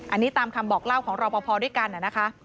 อันนี้ตามคำบอกเล่าของรอปภด้วยกันนะคะ